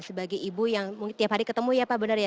sebagai ibu yang tiap hari ketemu ya pak benar ya